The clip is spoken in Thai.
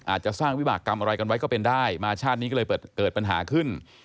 อาจจะสร้างวิบากรรมอะไรกันไว้ก็เป็นได้มาชาตินี้ก็เลยเกิดปัญหาขึ้น